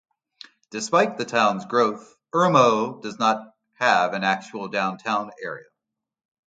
Despite the town's growth, Irmo does not have an actual downtown area.